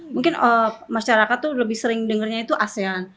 mungkin masyarakat tuh lebih sering dengarnya itu asean